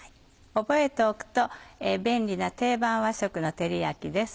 覚えておくと便利な定番和食の照り焼きです。